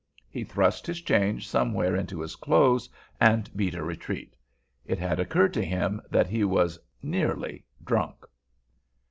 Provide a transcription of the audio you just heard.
He thrust his change somewhere into his clothes, and beat a retreat. It had occurred to him that he was nearly drunk.